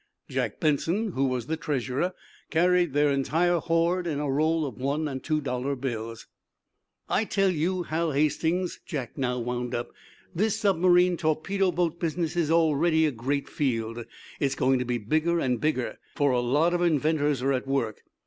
Jack Benson, who was the treasurer, carried their entire hoard in a roll of one and two dollar bills. "I tell you, Hal Hastings," Jack now wound up, "this submarine torpedo boat business is already a great field. It's going to be bigger and bigger, for a lot of inventors are at work.